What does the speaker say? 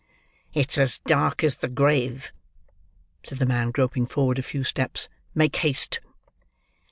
"It's as dark as the grave," said the man, groping forward a few steps. "Make haste!"